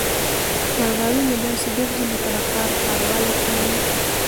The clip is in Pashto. مرغاوۍ مې داسې ګرځي لکه د ښار ښارواله چې وي.